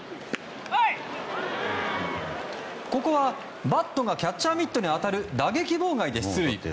ここはバットがキャッチャーミットに当たる打撃妨害で出塁。